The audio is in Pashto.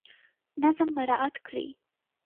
نظم مراعات کړئ.